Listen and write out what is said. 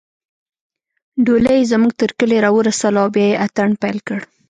ډولۍ يې زموږ تر کلي راورسوله او بیا يې اتڼ پیل کړ